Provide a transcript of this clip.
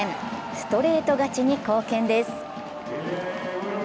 ストレート勝ちに貢献です。